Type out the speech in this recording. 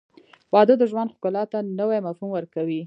• واده د ژوند ښکلا ته نوی مفهوم ورکوي.